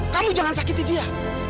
kamu jangan sakiti dia